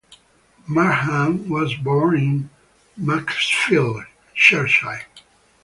Markham was born in Macclesfield, Cheshire.